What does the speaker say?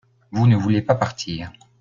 vous ne voulez pas partir.